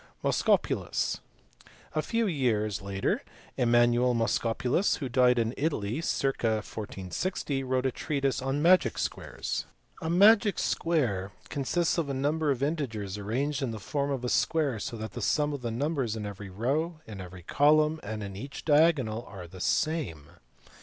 Moschopulus. A few years later Emmanuel Moschopulus, who died in Italy circ. 1460, wrote a treatise on magic squares. MOSCHOPULUS. 121 A magic square* consists of a number of integers arranged in the form of a square so that the sum of the numbers in every row, in every column, and in each diagonal is the same.